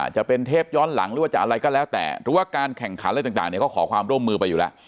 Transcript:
จะเป็นเทปย้อนหลังหรือว่าจะอะไรก็แล้วแต่หรือว่าการแข่งขันอะไรต่างก็ขอความร่วมมือไปอยู่แล้ว